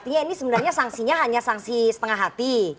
mbak sasto sanksinya hanya sangsi setengah hati